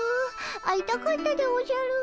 会いたかったでおじゃる。